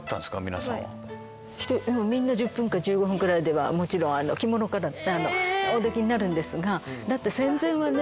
皆さんはみんな１０分か１５分くらいではもちろん着物からおできになるんですがだって戦前はね